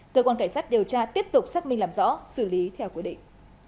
cơ quan cảnh sát điều tra tiếp tục xác minh làm rõ xử lý theo quy định